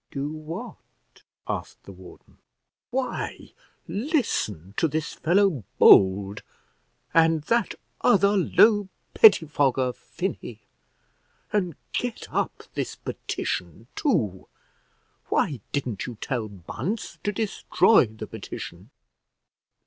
"Do what?" asked the warden. "Why, listen to this fellow Bold, and that other low pettifogger, Finney; and get up this petition too. Why didn't you tell Bunce to destroy the petition?"